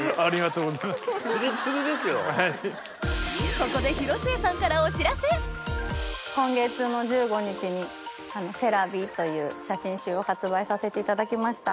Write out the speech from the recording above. ここで今月の１５日に『Ｃ’ｅｓｔｌａＶｉｅ』という写真集を発売させていただきました。